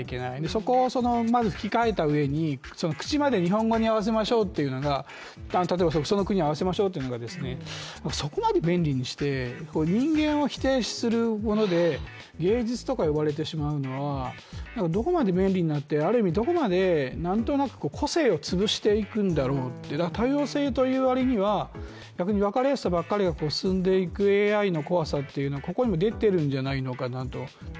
そこをまず吹き替えたうえに、口まで日本語に合わせましょう、例えばその国に合わせましょうというのがそこまで便利にして人間を否定するもので、芸術とか呼ばれてしまうのはどこまで便利になって、ある意味どこまで何となく個性を潰していくんだろうと多様性という割には逆にわかりやすさばかりが進んでいくＡＩの怖さというのがここにも出てるんじゃないのかななんて